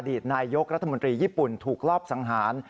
ตนายกรัฐมนตรีญี่ปุ่นถูกรอบสังหาร